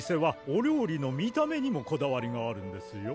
お料理の見た目にもこだわりがあるんですよ